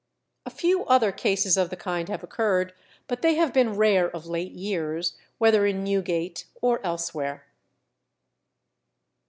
A few other cases of the kind have occurred, but they have been rare of late years, whether in Newgate or elsewhere.